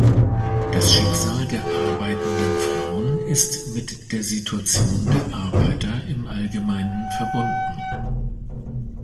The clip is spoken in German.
Das Schicksal der arbeitenden Frauen ist mit der Situation der Arbeiter im Allgemeinen verbunden.